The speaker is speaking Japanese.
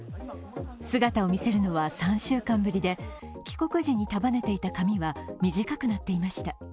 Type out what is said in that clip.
姿を見せるのは３週間ぶりで、帰国時に束ねていた髪は短くなっていました。